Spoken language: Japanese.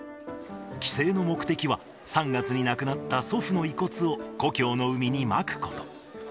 帰省の目的は、３月に亡くなった祖父の遺骨を故郷の海にまくこと。